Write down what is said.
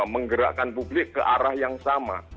menggerakkan publik ke arah yang sama